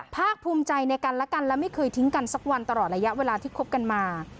ภาคภูมิใจในกันและกันและไม่เคยทิ้งกันสักวันตลอดระยะเวลาที่คบกันมา